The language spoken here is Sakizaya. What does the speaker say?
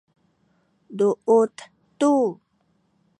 duut tu